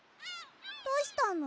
どうしたの？